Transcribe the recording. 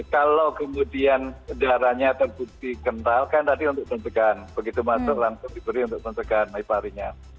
kalau kemudian darahnya terbukti kental kan tadi untuk pencegahan begitu masuk langsung diberi untuk pencegahan leparinya